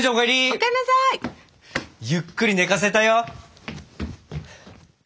お帰んなさい！ゆっくり寝かせたよ！